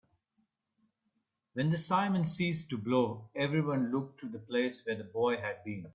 When the simum ceased to blow, everyone looked to the place where the boy had been.